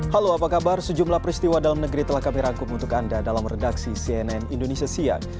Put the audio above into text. halo apa kabar sejumlah peristiwa dalam negeri telah kami rangkum untuk anda dalam redaksi cnn indonesia siang